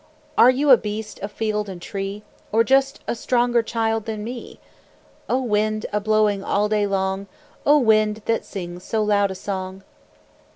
Are you a beast of field and tree, Or just a stronger child than me? O wind, a blowing all day long! O wind, that sings so loud a song!